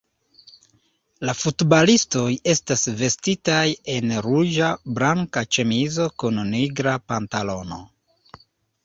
La futbalistoj estas vestitaj en ruĝa-blanka ĉemizo kun nigra pantalono.